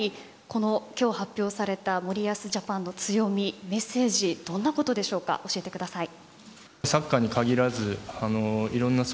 この今日発表された森保ジャパンの強みメッセージどんなことでしょうか教えてください。